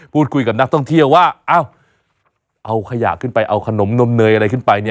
พูดคุยกับนักท่องเที่ยวว่าเอาขยะขึ้นไปเอาขนมนมเนยอะไรขึ้นไป